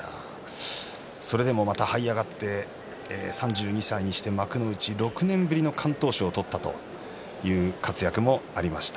それでもまたはい上がって３２歳にして幕内６年ぶりの敢闘賞を取ったという活躍がありました。